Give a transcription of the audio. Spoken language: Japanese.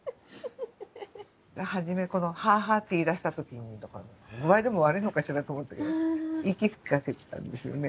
初めこのハァハァって言いだしたときに具合でも悪いのかしらって思ったけど息吹きかけてたんですよね。